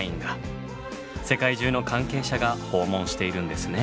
世界中の関係者が訪問しているんですね。